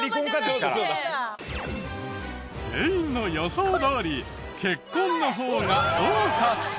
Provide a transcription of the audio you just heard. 全員の予想どおり結婚の方が多かった。